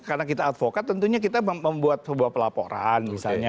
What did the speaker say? karena kita advokat tentunya kita membuat sebuah pelaporan misalnya